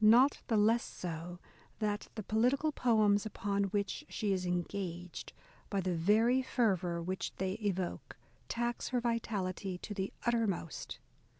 Not the less so, that the political poems upon which she is engaged, by the very fervour which they evoke, tax her vitality to the uttermost.